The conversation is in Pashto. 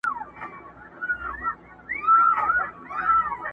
پر شب پرستو بدلګېږم ځکه،